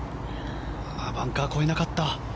バンカー越えなかった。